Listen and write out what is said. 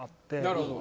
なるほど。